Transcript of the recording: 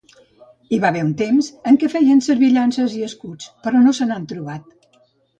Hi va haver un temps en què feien servir llances i escuts, però no se n'han trobat.